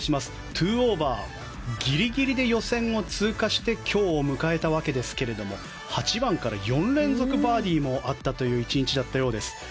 ２オーバーギリギリで予選を通過して今日を迎えたわけですけれども８番から４連続バーディーもあったという１日だったようです。